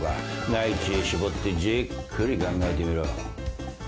ない知恵絞ってじっくり考えてみろ。